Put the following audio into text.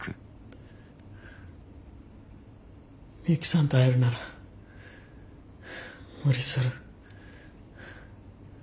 ミユキさんと会えるなら無理する。